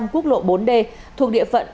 quốc lộ bốn d thuộc địa phận